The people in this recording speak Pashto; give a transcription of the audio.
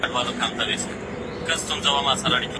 سیاسي پناه غوښتونکي باید له خطر سره مخ نه سي.